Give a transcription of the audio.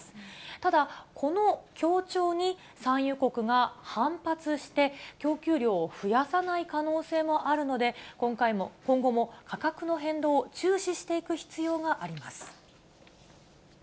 ただ、この協調に産油国が反発して、供給量を増やさない可能性もあるので、今後も価格の変動を注視していく必要があります。